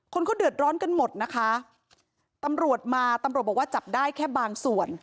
คนเขาเดือดร้อนกันหมดนะคะตำรวจมาตำรวจบอกว่าจับได้แค่บางส่วน